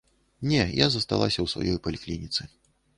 Не, я засталася ў сваёй паліклініцы.